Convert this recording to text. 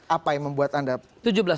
apa yang membuat anda